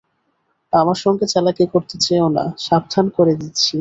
আমার সঙ্গে চালাকি করতে চেয়ো না, সাবধান করে দিচ্ছি।